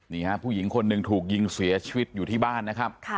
นี่ฮะผู้หญิงคนหนึ่งถูกยิงเสียชีวิตอยู่ที่บ้านนะครับ